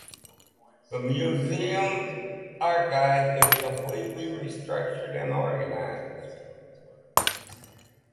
The Museum’s Archive is completely restructured and reorganized.